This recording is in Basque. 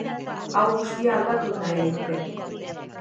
Hau guztia aldatu nahi genuke.